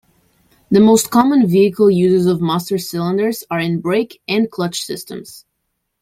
The most common vehicle uses of master cylinders are in brake and clutch systems.